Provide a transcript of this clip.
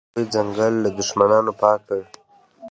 هغوی ځنګل له دښمنانو پاک کړ.